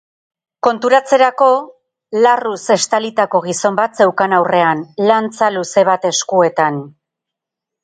Konturatzerako, larruz estalitako gizon bat zeukan aurrean, lantza luze bat eskuetan.